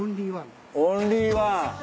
オンリーワン。